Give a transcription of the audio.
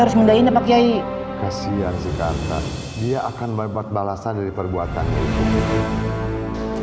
harus mendayinya pakai kesian sikat dia akan membuat balasan dari perbuatan itu